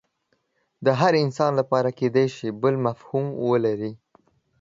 د هر انسان لپاره کیدای شي بیل مفهوم ولري